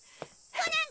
コナン！